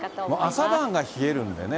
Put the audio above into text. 朝晩が冷えるんでね、